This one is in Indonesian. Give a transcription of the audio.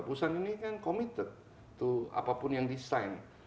urusan ini kan committed to apapun yang disain